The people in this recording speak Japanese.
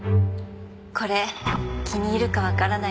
これ気に入るかわからないけど。